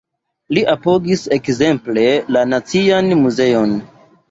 Li apogis ekzemple la Nacian Muzeon.